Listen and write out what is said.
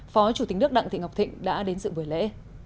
phó chủ tịch nước đặng thị ngọc thịnh đã đến sự buổi lễ